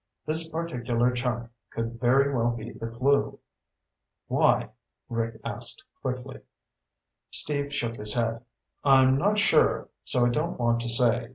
This particular chunk could very well be the clue." "Why?" Rick asked quickly. Steve shook his head. "I'm not sure, so I don't want to say.